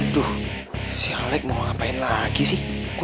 tunggu dia pasti ingin tahu